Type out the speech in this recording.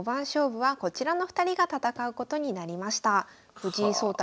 藤井聡太